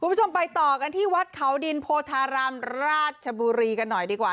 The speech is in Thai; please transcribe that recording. คุณผู้ชมไปต่อกันที่วัดเขาดินโพธารามราชบุรีกันหน่อยดีกว่า